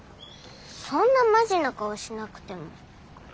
そんなマジな顔しなくても。